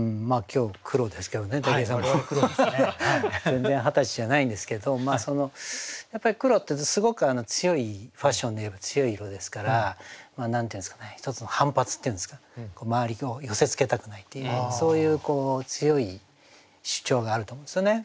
全然二十歳じゃないんですけどやっぱり黒ってすごくファッションでいえば強い色ですから１つの反発っていうんですか周りを寄せつけたくないっていうそういう強い主張があると思うんですよね。